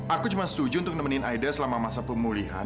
aku cuma setuju untuk nemenin aida selama masa pemulihan